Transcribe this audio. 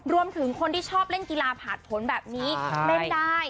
รวมถึงคนที่ชอบเล่นกีฬาผ่านผลแบบนี้เล่นได้